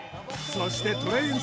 そしてトレエン